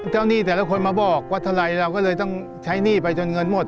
หนี้แต่ละคนมาบอกว่าเท่าไรเราก็เลยต้องใช้หนี้ไปจนเงินหมด